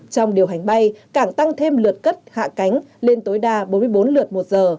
trong điều hành bay cảng tăng thêm lượt cất hạ cánh lên tối đa bốn mươi bốn lượt một giờ